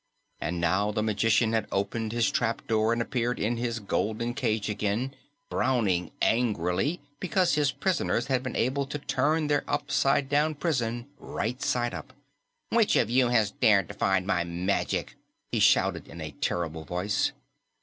And now the magician had opened his trap door and appeared in his golden cage again, frowning angrily because his prisoners had been able to turn their upside down prison right side up. "Which of you has dared defy my magic?" he shouted in a terrible voice.